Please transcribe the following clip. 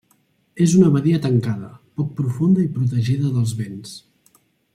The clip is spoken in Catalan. És una badia tancada, poc profunda i protegida dels vents.